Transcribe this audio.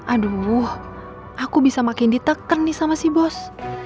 aduh aku bisa makin diteken nih sama si bos